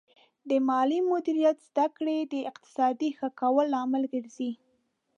د مالي مدیریت زده کړه د اقتصاد ښه کولو لامل ګرځي.